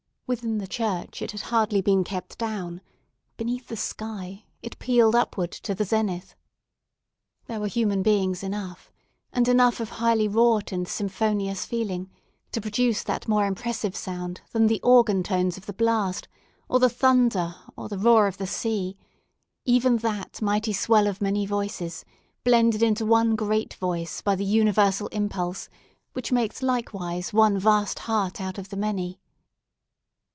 Within the church, it had hardly been kept down; beneath the sky it pealed upward to the zenith. There were human beings enough, and enough of highly wrought and symphonious feeling to produce that more impressive sound than the organ tones of the blast, or the thunder, or the roar of the sea; even that mighty swell of many voices, blended into one great voice by the universal impulse which makes likewise one vast heart out of the many.